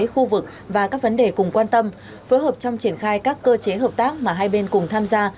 khu vực và các vấn đề cùng quan tâm phối hợp trong triển khai các cơ chế hợp tác mà hai bên cùng tham gia